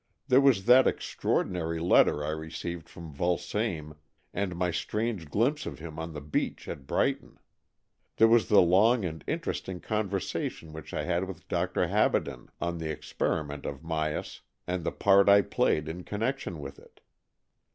There was that extraordinary letter I received from Vulsame, and my strange glimpse of him on the beach at Brighton. There was the long and interesting conver sation which I had with Dr. Habaden on the experiment of Myas and the part I had 215 216 AN EXCHANGE OF SOULS played in connection with it.